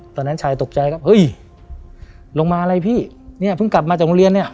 ตอนนั้นชายตกใจก็เฮ้ยลงมาอะไรพี่เนี่ยเพิ่งกลับมาจากโรงเรียนเนี่ย